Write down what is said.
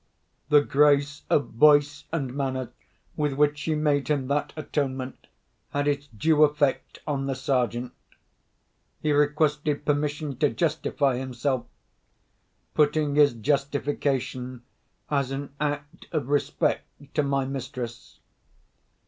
The grace of voice and manner with which she made him that atonement had its due effect on the Sergeant. He requested permission to justify himself—putting his justification as an act of respect to my mistress.